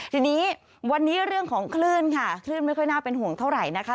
ทีนี้วันนี้เรื่องของคลื่นค่ะคลื่นไม่ค่อยน่าเป็นห่วงเท่าไหร่นะคะ